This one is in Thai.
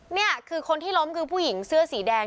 นี่คือคนที่ล้มคือผู้หญิงเสื้อสีแดง